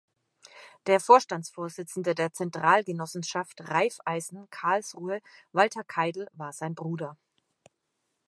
Der Vorstandsvorsitzende der Zentral-Genossenschaft Raiffeisen Karlsruhe Walter Keidel war sein Bruder.